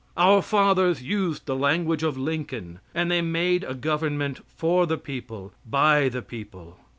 Our fathers used the language of Lincoln, and they made a government for the people by the people.